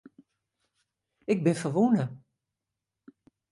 Ik bin ferwûne.